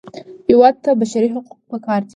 هېواد ته بشري حقوق پکار دي